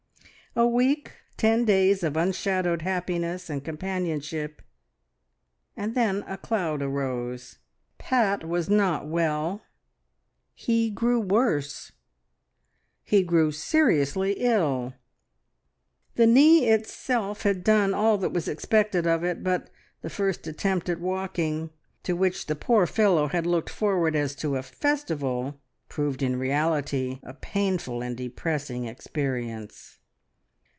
A week, ten days of unshadowed happiness and companionship, and then a cloud arose. Pat was not well; he grew worse; he grew seriously ill. The knee itself had done all that was expected of it, but the first attempt at walking, to which the poor fellow had looked forward as to a festival, proved in reality a painful and depressing experience.